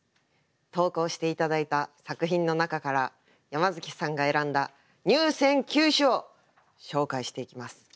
投稿して頂いた作品の中から山崎さんが選んだ入選九首を紹介していきます。